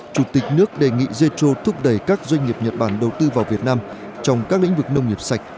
chủ tịch nước đề nghị zecho thúc đẩy các doanh nghiệp nhật bản đầu tư vào việt nam trong các lĩnh vực nông nghiệp sạch